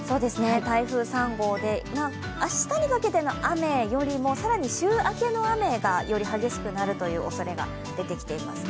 台風３号で、明日にかけての雨よりも、更に週明けの雨がより激しくなるというおそれが出てきています。